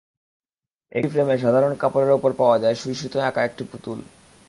একটি ফ্রেমে সাধারণ কাপড়ের ওপর পাওয়া যায় সুই-সুতোয় আঁকা একটি পুতুল।